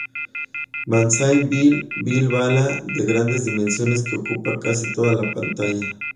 Banzai Bill: Bill Bala de grandes dimensiones que ocupa casi toda la pantalla.